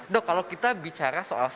dok kalau kita bicara soal